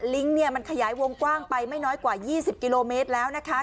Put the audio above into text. เนี่ยมันขยายวงกว้างไปไม่น้อยกว่า๒๐กิโลเมตรแล้วนะคะ